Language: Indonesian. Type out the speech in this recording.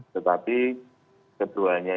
tetapi keduanya ini adalah penyamuk